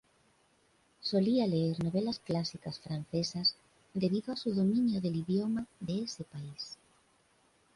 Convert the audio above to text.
Solía leer novelas clásicas francesas debido a su dominio del idioma de ese país.